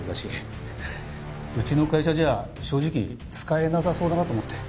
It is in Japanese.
うちの会社じゃ正直使えなさそうだなと思って。